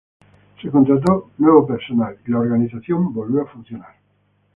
Se contrató nuevo personal y la organización volvió a funcionar.